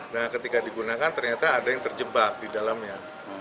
nah ketika digunakan ternyata ada yang terjebak di dalamnya